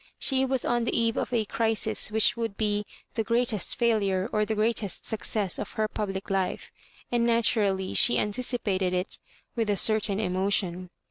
She was on the eve of a crisis which would be the greatest failure or the greatest success of her public life, and na turally she anticipated i^ ^'ith a certain emotion.